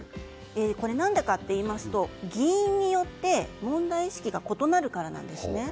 これ、何でかといいますと議員によって問題意識が異なるからなんですね。